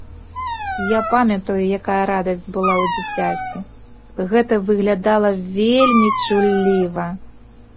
Я памятаю, якая радасць была ў дзіцяці, гэта выглядала вельмі чулліва.